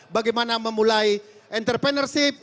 bagaimana memulai entrepreneurship